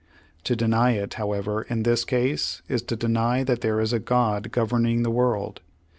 To deny it, however, in this case, is to deny that there is a God gov erning the world.